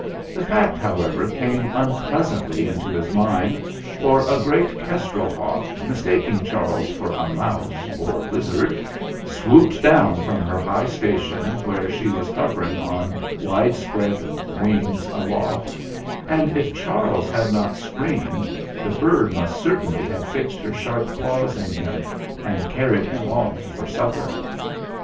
The fact, however, came un pleasantly into his mind, for a great kestrel hawk, mistaking Charles for a mouse or lizard, swooped down from her high station where she was hovering on widespread wings aloft, and if Charles had not screamed the bird must certainly have fixed her sharp claws in him and carried him off for supper.